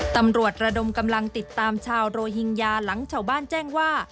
ตำรวจระดมกำลังติดตามชาวโรฮิงญาหลังชาวบ้านแจ้งว่า